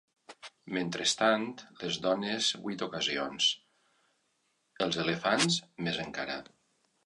Mentrestant, les dones vuit ocasions. Els elefants, més encara.